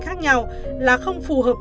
khác nhau là không phù hợp